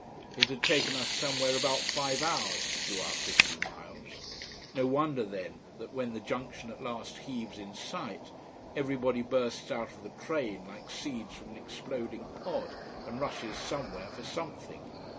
It had taken us somewhere about five hours to do our fifty miles. No wonder then that when the junction at last heaves in sight everybody bursts out of the train like seeds from an exploding pod, and rushes somewhere for something.